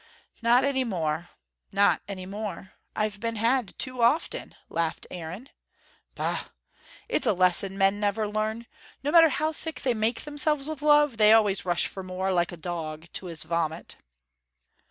"Not any more not any more. I've been had too often," laughed Aaron. "Bah, it's a lesson men never learn. No matter how sick they make themselves with love, they always rush for more, like a dog to his vomit."